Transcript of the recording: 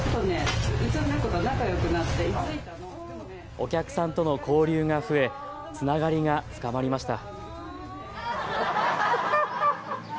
お客さんとの交流が増えつながりが深まりました。